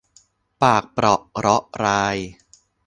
ปากเปราะเราะราย